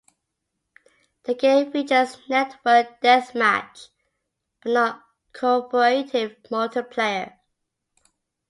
The game features network deathmatch, but not co-operative multiplayer.